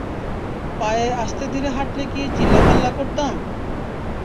পায়ে আস্তেধীরে হাটলে কী চিল্লাফাল্লা করতাম?